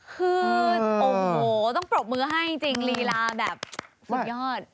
คือโอ้โหต้องปรบมือให้จริงลีลาแบบสุดยอด